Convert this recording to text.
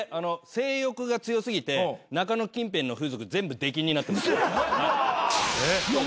性欲が強過ぎて中野近辺の風俗全部出禁になってます。